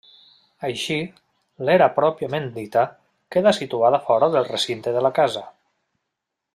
Així, l'era pròpiament dita, queda situada fora el recinte de la casa.